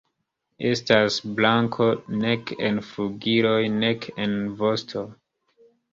Estas blanko nek en flugiloj nek en vosto.